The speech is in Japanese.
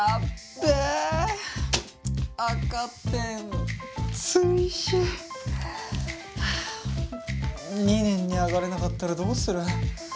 はあ２年に上がれなかったらどうする？